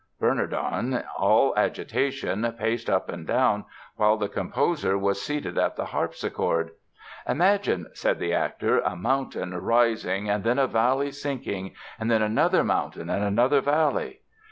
Bernardon, all agitation, paced up and down, while the composer was seated at the harpsichord. 'Imagine', said the actor, 'a mountain rising and then a valley sinking, and then another mountain and another valley....